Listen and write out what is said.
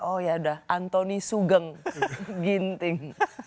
oh ya dah antoni sugeng ginting